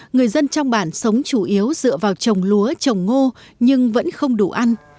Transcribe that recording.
người dân trong bản sống chủ yếu dựa vào trồng lúa trồng ngô nhưng vẫn không đủ ăn